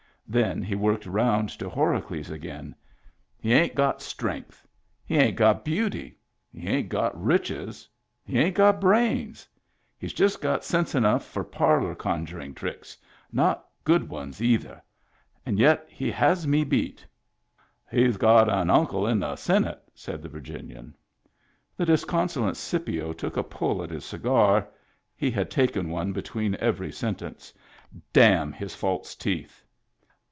Then he worked round to Horacles again. "He ain't got strength. He ain't got beauty. He ain't got riches. He ain't got brains. He's just got sense enough for parlor conjuring tricks — not good ones, either. And yet he has me beat" " He's got an uncle in the Senate," said the Virginian. The disconsolate Scipio took a pull at his cigar, — he had taken one between every sen tence. " Damn his false teeth."